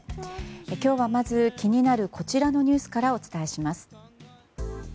今日はまず気になるこちらのニュースからお伝えします。